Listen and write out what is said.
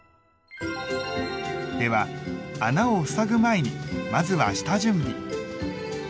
では穴をふさぐ前にまずは下準備！